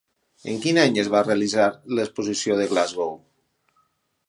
En quin any es va realitzar l'exposició de Glasgow?